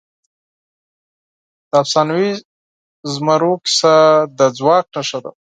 د افسانوي زمرو کیسه د ځواک نښه ده.